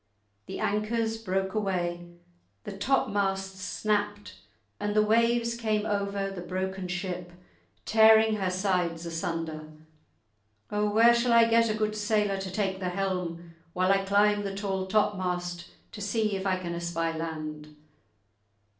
The anchors broke away, the topmasts snapped, and the waves came over the broken ship, tearing her sides asunder. "O where shall I get a good sailor to take the helm while I climb the tall topmast to see if I can espy land?"